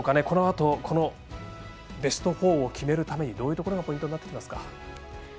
このあと、このベスト４を決めるためにどういうところがポイントになってきますか？